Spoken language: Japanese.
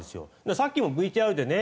さっきもＶＴＲでね